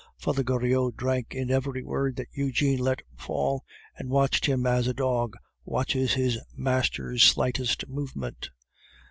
Father Goriot drank in every word that Eugene let fall, and watched him as a dog watches his master's slightest movement.